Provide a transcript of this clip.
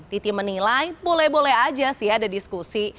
titi menilai boleh boleh aja sih ada diskusi